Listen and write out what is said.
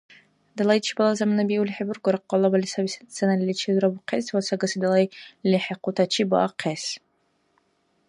Далайчибала замана биули хӀебургар, къалабали саби сценаличи дурабухъес ва сагаси далай лехӀихъутачи баахъес.